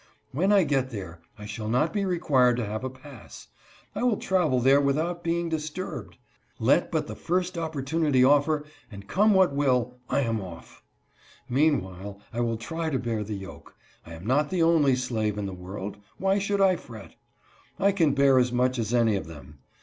When I get there I shall not be required to have a pass : I will travel there without being disturbed. Let but the first opportunity offer, and come what will, I am off. Meanwhile I will try to bear the yoke. I am not the only slave in the world. Why should I fret? I can bear as much as any of them.